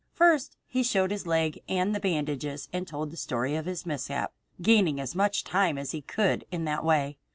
First he showed his leg and the bandages and told the story of his mishap, gaining as much time as he could in that way.